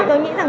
tôi nghĩ rằng